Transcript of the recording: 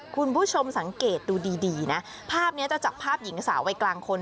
คุณผู้ชมสังเกตดูดีนะภาพนี้จะจับภาพหญิงสาววัยกลางคน